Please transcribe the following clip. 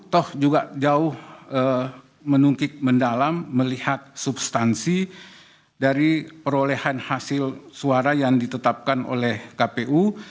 toh juga jauh menungkik mendalam melihat substansi dari perolehan hasil suara yang ditetapkan oleh kpu